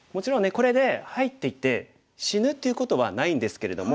これで入っていて死ぬっていうことはないんですけれども。